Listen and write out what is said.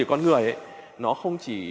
của con người nó không chỉ